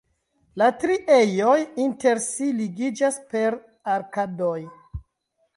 La tri ejoj inter si ligiĝas per arkadoj.